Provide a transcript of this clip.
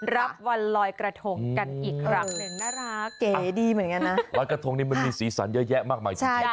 รับวันรอยกระทงกันอีกครับ